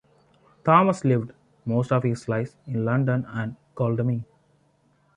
Thomas lived most of his life in London and Godalming.